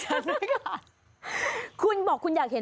สวัสดีรักทีค่ะ